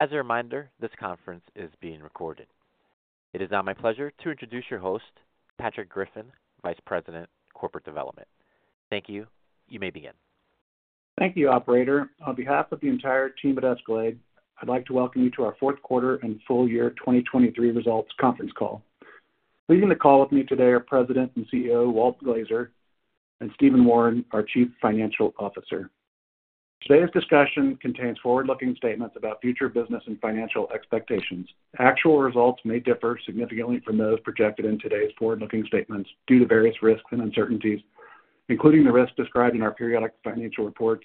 As a reminder, this conference is being recorded. It is now my pleasure to introduce your host, Patrick Griffin, Vice President, Corporate Development. Thank you. You may begin. Thank you, operator. On behalf of the entire team at Escalade, I'd like to Welcome you to our Fourth Quarter and Full Year 2023 Results Conference Call. Leading the call with me today are President and CEO, Walt Glazer, and Stephen Wawrin, our Chief Financial Officer. Today's discussion contains forward-looking statements about future business and financial expectations. Actual results may differ significantly from those projected in today's forward-looking statements due to various risks and uncertainties, including the risks described in our periodic financial reports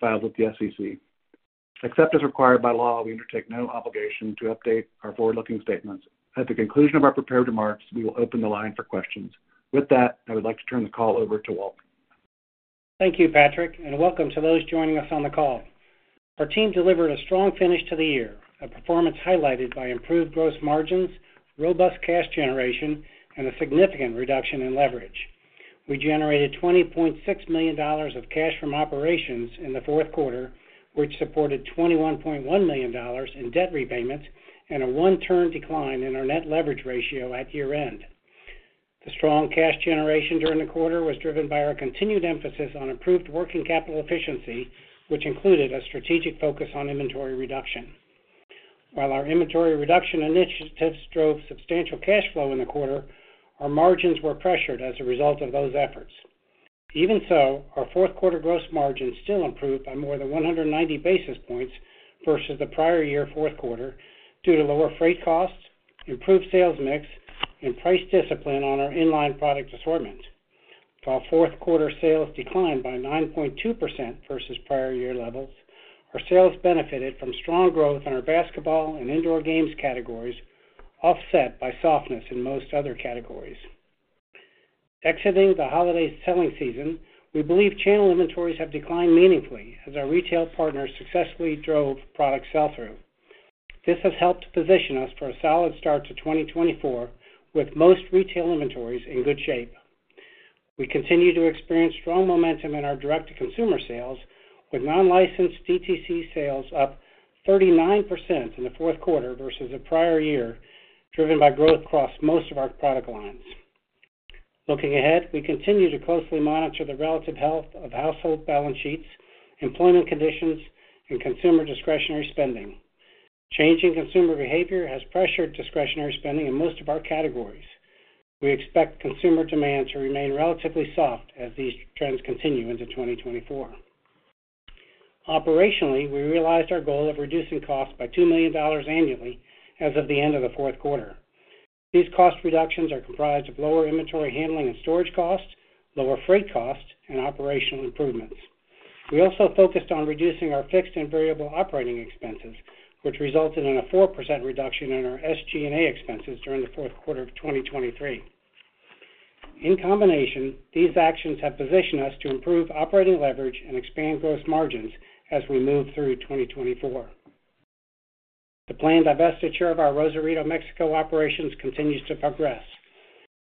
filed with the SEC. Except as required by law, we undertake no obligation to update our forward-looking statements. At the conclusion of our prepared remarks, we will open the line for questions. With that, I would like to turn the call over to Walt. Thank you, Patrick, and welcome to those joining us on the call. Our team delivered a strong finish to the year, a performance highlighted by improved gross margins, robust cash generation, and a significant reduction in leverage. We generated $20.6 million of cash from operations in the fourth quarter, which supported $21.1 million in debt repayments and a one-turn decline in our net leverage ratio at year-end. The strong cash generation during the quarter was driven by our continued emphasis on improved working capital efficiency, which included a strategic focus on inventory reduction. While our inventory reduction initiatives drove substantial cash flow in the quarter, our margins were pressured as a result of those efforts. Even so, our fourth quarter gross margin still improved by more than 190 basis points versus the prior year fourth quarter, due to lower freight costs, improved sales mix, and price discipline on our in-line product assortment. While fourth quarter sales declined by 9.2% versus prior year levels, our sales benefited from strong growth in our basketball and indoor games categories, offset by softness in most other categories. Exiting the holiday selling season, we believe channel inventories have declined meaningfully as our retail partners successfully drove product sell-through. This has helped to position us for a solid start to 2024, with most retail inventories in good shape. We continue to experience strong momentum in our Direct-to-Consumer sales, with non-licensed DTC sales up 39% in the fourth quarter versus the prior year, driven by growth across most of our product lines. Looking ahead, we continue to closely monitor the relative health of household balance sheets, employment conditions, and consumer discretionary spending. Changing consumer behavior has pressured discretionary spending in most of our categories. We expect consumer demand to remain relatively soft as these trends continue into 2024. Operationally, we realized our goal of reducing costs by $2 million annually as of the end of the fourth quarter. These cost reductions are comprised of lower inventory handling and storage costs, lower freight costs, and operational improvements. We also focused on reducing our fixed and variable operating expenses, which resulted in a 4% reduction in our SG&A expenses during the fourth quarter of 2023. In combination, these actions have positioned us to improve operating leverage and expand gross margins as we move through 2024. The planned divestiture of our Rosarito, Mexico, operations continues to progress.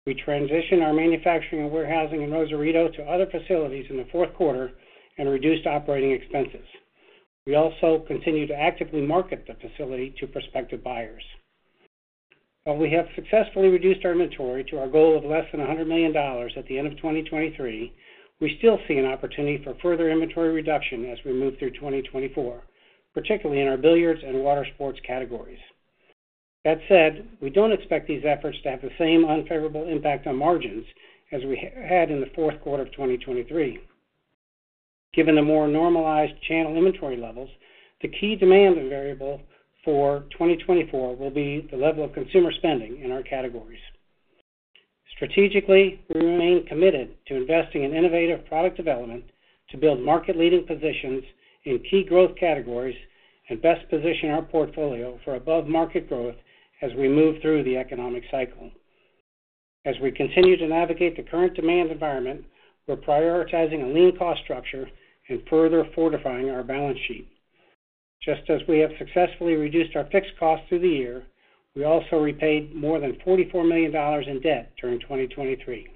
We transitioned our manufacturing and warehousing in Rosarito to other facilities in the fourth quarter and reduced operating expenses. We also continue to actively market the facility to prospective buyers. While we have successfully reduced our inventory to our goal of less than $100 million at the end of 2023, we still see an opportunity for further inventory reduction as we move through 2024, particularly in our billiards and water sports categories. That said, we don't expect these efforts to have the same unfavorable impact on margins as we had in the fourth quarter of 2023. Given the more normalized channel inventory levels, the key demand variable for 2024 will be the level of consumer spending in our categories. Strategically, we remain committed to investing in innovative product development to build market-leading positions in key growth categories and best position our portfolio for above-market growth as we move through the economic cycle. As we continue to navigate the current demand environment, we're prioritizing a lean cost structure and further fortifying our balance sheet. Just as we have successfully reduced our fixed costs through the year, we also repaid more than $44 million in debt during 2023.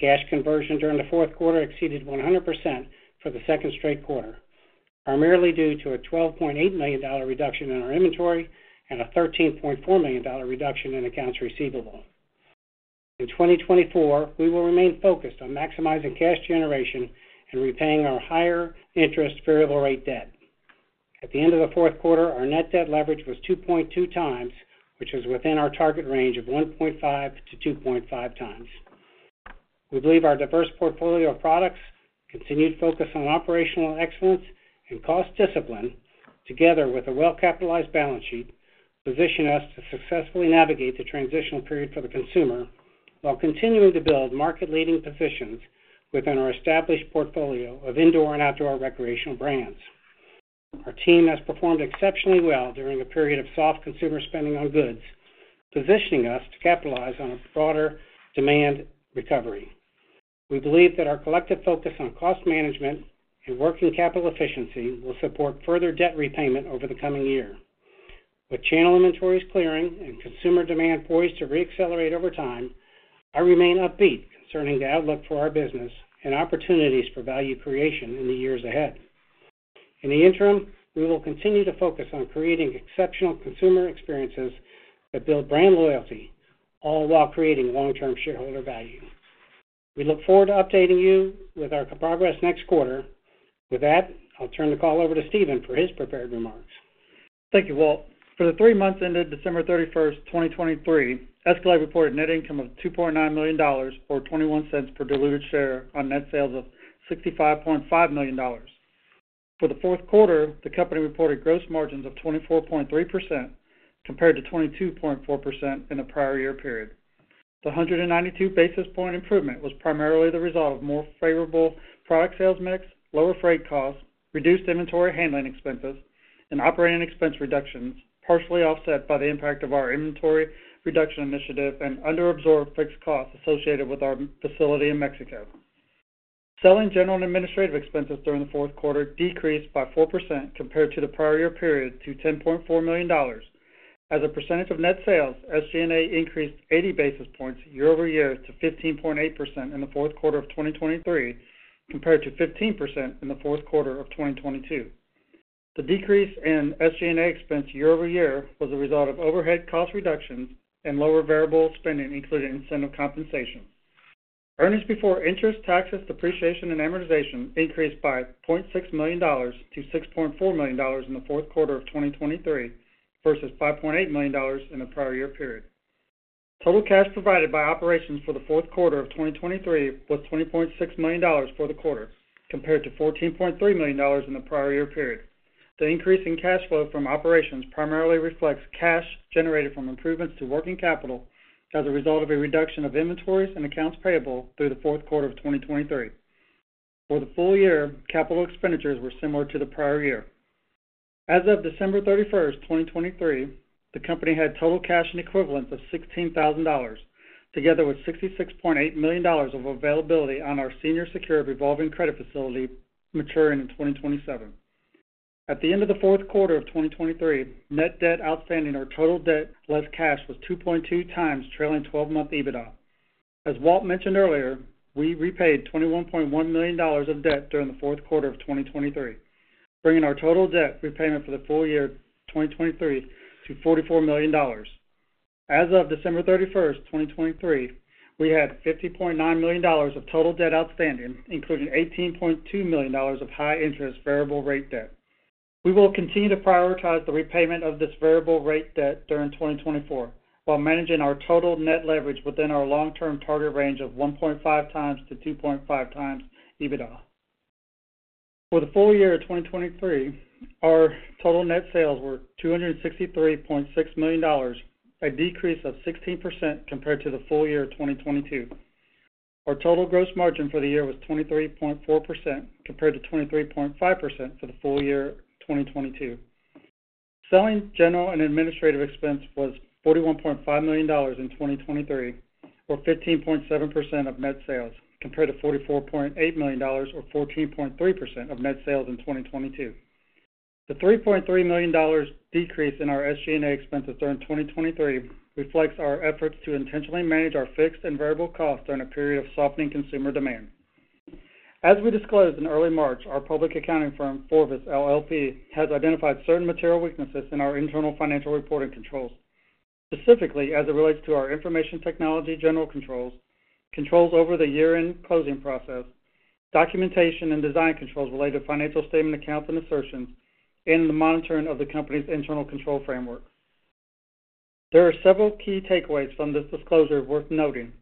Cash conversion during the fourth quarter exceeded 100% for the second straight quarter, primarily due to a $12.8 million reduction in our inventory and a $13.4 million reduction in accounts receivable. In 2024, we will remain focused on maximizing cash generation and repaying our higher interest variable rate debt. At the end of the fourth quarter, our net debt leverage was 2.2x, which was within our target range of 1.5x-2.5x. We believe our diverse portfolio of products, continued focus on operational excellence and cost discipline, together with a well-capitalized balance sheet, position us to successfully navigate the transitional period for the consumer while continuing to build market-leading positions within our established portfolio of indoor and outdoor recreational brands. Our team has performed exceptionally well during a period of soft consumer spending on goods, positioning us to capitalize on a broader demand recovery. We believe that our collective focus on cost management and working capital efficiency will support further debt repayment over the coming year.... With channel inventories clearing and consumer demand poised to reaccelerate over time, I remain upbeat concerning the outlook for our business and opportunities for value creation in the years ahead. In the interim, we will continue to focus on creating exceptional consumer experiences that build brand loyalty, all while creating long-term shareholder value. We look forward to updating you with our progress next quarter. With that, I'll turn the call over to Stephen for his prepared remarks. Thank you, Walt. For the three months ended December 31, 2023, Escalade reported net income of $2.9 million, or 21 cents per diluted share on net sales of $65.5 million. For the fourth quarter, the company reported gross margins of 24.3% compared to 22.4% in the prior year period. The 192 basis point improvement was primarily the result of more favorable product sales mix, lower freight costs, reduced inventory handling expenses, and operating expense reductions, partially offset by the impact of our inventory reduction initiative and under-absorbed fixed costs associated with our facility in Mexico. Selling, general and administrative expenses during the fourth quarter decreased by 4% compared to the prior year period to $10.4 million. As a percentage of net sales, SG&A increased 80 basis points year-over-year to 15.8% in the fourth quarter of 2023, compared to 15% in the fourth quarter of 2022. The decrease in SG&A expense year-over-year was a result of overhead cost reductions and lower variable spending, including incentive compensation. Earnings before interest, taxes, depreciation, and amortization increased by $0.6 million to $6.4 million in the fourth quarter of 2023, versus $5.8 million in the prior year period. Total cash provided by operations for the fourth quarter of 2023 was $20.6 million for the quarter, compared to $14.3 million in the prior year period. The increase in cash flow from operations primarily reflects cash generated from improvements to working capital as a result of a reduction of inventories and accounts payable through the fourth quarter of 2023. For the full year, capital expenditures were similar to the prior year. As of December 31, 2023, the company had total cash and equivalents of $16,000, together with $66.8 million of availability on our senior secured revolving credit facility, maturing in 2027. At the end of the fourth quarter of 2023, net debt outstanding, our total debt, less cash, was 2.2x trailing 12-month EBITDA. As Walt mentioned earlier, we repaid $21.1 million of debt during the fourth quarter of 2023, bringing our total debt repayment for the full year 2023 to $44 million. As of December 31, 2023, we had $50.9 million of total debt outstanding, including $18.2 million of high interest variable rate debt. We will continue to prioritize the repayment of this variable rate debt during 2024, while managing our total net leverage within our long-term target range of 1.5x-2.5x EBITDA. For the full year of 2023, our total net sales were $263.6 million, a decrease of 16% compared to the full year of 2022. Our total gross margin for the year was 23.4%, compared to 23.5% for the full year 2022. Selling, general, and administrative expense was $41.5 million in 2023, or 15.7% of net sales, compared to $44.8 million or 14.3% of net sales in 2022. The $3.3 million decrease in our SG&A expenses during 2023 reflects our efforts to intentionally manage our fixed and variable costs during a period of softening consumer demand. As we disclosed in early March, our public accounting firm, FORVIS, LLP, has identified certain material weaknesses in our internal financial reporting controls. Specifically as it relates to our information technology general controls, controls over the year-end closing process, documentation and design controls related to financial statement accounts and assertions, and the monitoring of the company's internal control framework. There are several key takeaways from this disclosure worth noting.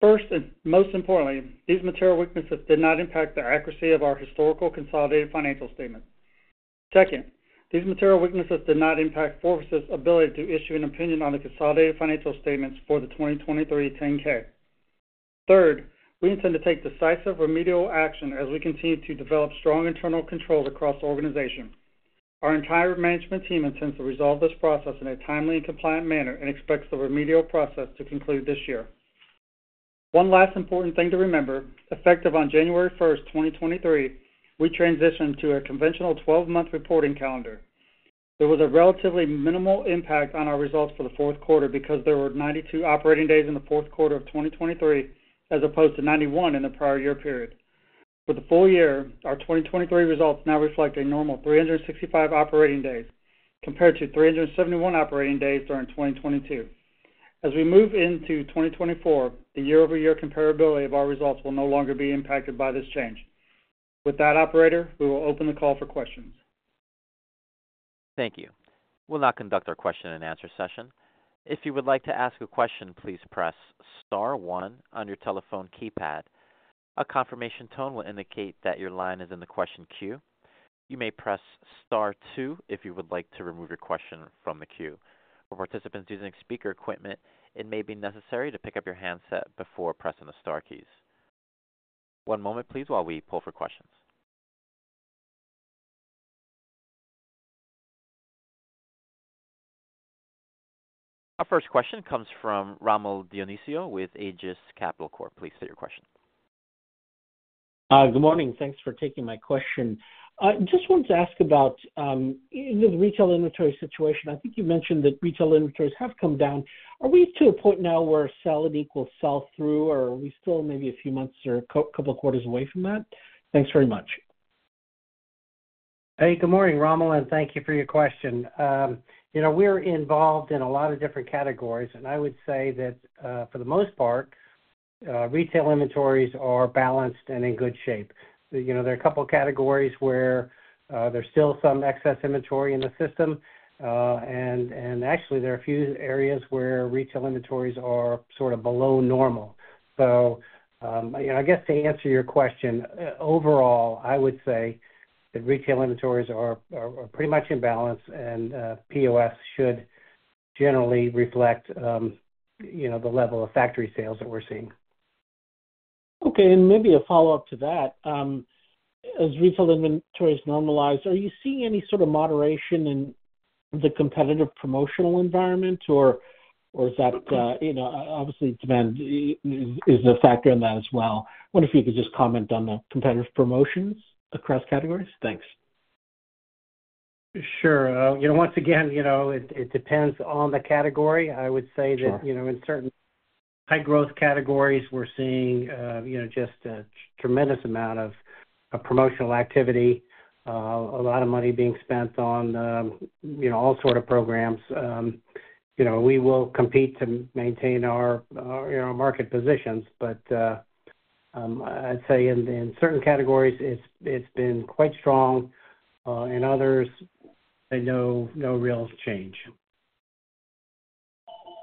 First, and most importantly, these material weaknesses did not impact the accuracy of our historical consolidated financial statement. Second, these material weaknesses did not impact FORVIS's ability to issue an opinion on the consolidated financial statements for the 2023 10-K. Third, we intend to take decisive remedial action as we continue to develop strong internal controls across the organization. Our entire management team intends to resolve this process in a timely and compliant manner and expects the remedial process to conclude this year. One last important thing to remember, effective on January 1, 2023, we transitioned to a conventional twelve-month reporting calendar. There was a relatively minimal impact on our results for the fourth quarter because there were 92 operating days in the fourth quarter of 2023, as opposed to 91 in the prior year period. For the full year, our 2023 results now reflect a normal 365 operating days, compared to 371 operating days during 2022. As we move into 2024, the year-over-year comparability of our results will no longer be impacted by this change. With that, operator, we will open the call for questions. Thank you. We'll now conduct our question and answer session. If you would like to ask a question, please press star one on your telephone keypad. A confirmation tone will indicate that your line is in the question queue. You may press star two if you would like to remove your question from the queue. For participants using speaker equipment, it may be necessary to pick up your handset before pressing the star keys. One moment, please, while we pull for questions. Our first question comes from Rommel Dionisio with Aegis Capital Corp. Please state your question. Good morning. Thanks for taking my question. I just wanted to ask about the retail inventory situation. I think you mentioned that retail inventories have come down. Are we to a point now where sell-in equals sell through, or are we still maybe a few months or couple of quarters away from that? Thanks very much. Hey, good morning, Rommel, and thank you for your question. You know, we're involved in a lot of different categories, and I would say that, for the most part, retail inventories are balanced and in good shape. You know, there are a couple of categories where, there's still some excess inventory in the system, and actually there are a few areas where retail inventories are sort of below normal. So, I guess to answer your question, overall, I would say that retail inventories are pretty much in balance, and POS should generally reflect, you know, the level of factory sales that we're seeing. Okay, and maybe a follow-up to that. As retail inventories normalize, are you seeing any sort of moderation in the competitive promotional environment, or is that, you know, obviously, demand is a factor in that as well? I wonder if you could just comment on the competitive promotions across categories. Thanks. Sure. You know, once again, you know, it depends on the category. Sure. I would say that, you know, in certain high growth categories, we're seeing, you know, just a tremendous amount of, of promotional activity, a lot of money being spent on, you know, all sort of programs. You know, we will compete to maintain our, our, you know, market positions, but, I'd say in, in certain categories, it's, it's been quite strong, in others, I know no real change.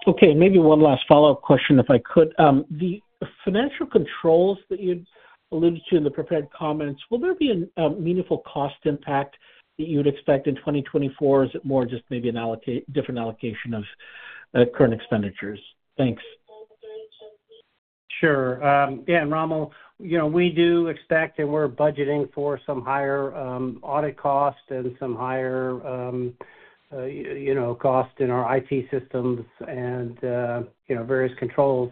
Okay, maybe one last follow-up question, if I could. The financial controls that you alluded to in the prepared comments, will there be a meaningful cost impact that you'd expect in 2024, or is it more just maybe a different allocation of current expenditures? Thanks. Sure. Yeah, and Rommel, you know, we do expect and we're budgeting for some higher audit costs and some higher, you know, cost in our IT systems and, you know, various controls.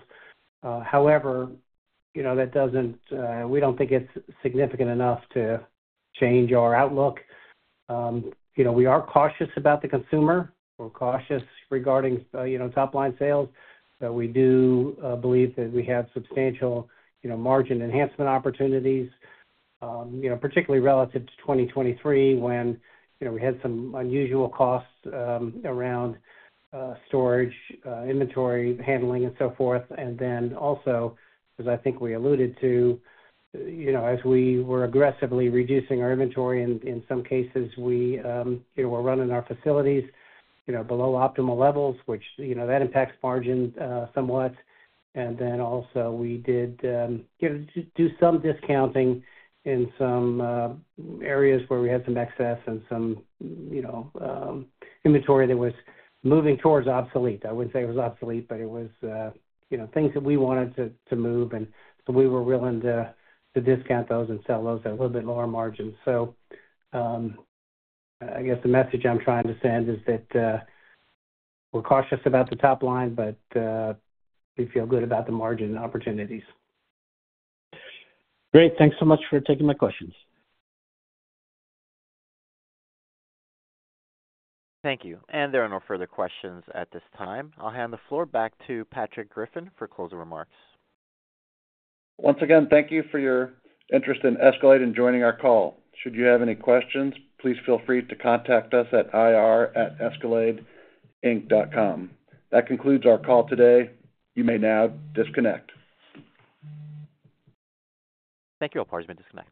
However, you know, that doesn't, we don't think it's significant enough to change our outlook. You know, we are cautious about the consumer. We're cautious regarding, you know, top-line sales. But we do believe that we have substantial, you know, margin enhancement opportunities, you know, particularly relative to 2023, when, you know, we had some unusual costs, around storage, inventory handling, and so forth. And then also, as I think we alluded to, you know, as we were aggressively reducing our inventory, and in some cases, we, you know, we're running our facilities, you know, below optimal levels, which, you know, that impacts margins, somewhat. And then also, we did, you know, do some discounting in some, areas where we had some excess and some, you know, inventory that was moving towards obsolete. I wouldn't say it was obsolete, but it was, you know, things that we wanted to, to move, and so we were willing to, to discount those and sell those at a little bit lower margin. So, I guess the message I'm trying to send is that, we're cautious about the top line, but, we feel good about the margin opportunities. Great. Thanks so much for taking my questions. Thank you. There are no further questions at this time. I'll hand the floor back to Patrick Griffin for closing remarks. Once again, thank you for your interest in Escalade and joining our call. Should you have any questions, please feel free to contact us at ir@escaladeinc.com. That concludes our call today. You may now disconnect. Thank you. All parties may disconnect.